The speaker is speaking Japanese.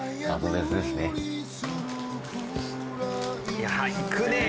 いやあいくねえ！